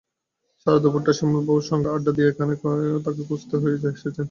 সারা দুপুরটা শ্যামলবাবুর সঙ্গে আড্ডা দিয়ে এখানে তাকে খুঁজতে এসেছেন?